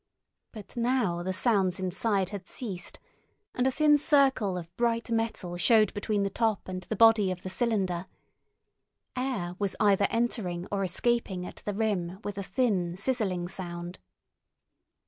But now the sounds inside had ceased, and a thin circle of bright metal showed between the top and the body of the cylinder. Air was either entering or escaping at the rim with a thin, sizzling sound.